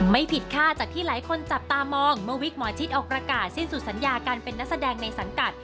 ไม่ผิดค่าจากที่หลายคนจับตามองเมื่อวิกหมอชิดออกประกาศสิ้นสุดสัญญาการเป็นนักแสดงในสังกัด